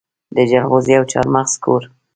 د جلغوزي او چارمغز کور.